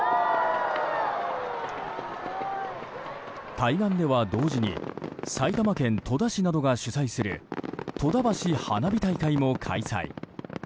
対岸では同時に埼玉県戸田市などが主催する戸田橋花火大会も開催。